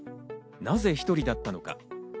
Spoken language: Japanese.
なぜ１人だったのか。